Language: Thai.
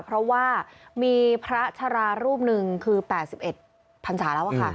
เพราะว่ามีพระชรารูปหนึ่งคือแปดสิบเอ็ดพันศาละวะค่ะ